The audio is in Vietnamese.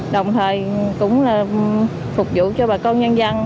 đồng thời cũng là phục vụ cho bà con nhân dân